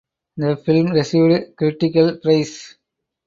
The film received critical praise.